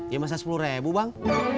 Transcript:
iya masa sepuluh rebu bang